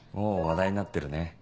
もう話題になってるね。